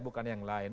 bukan yang lain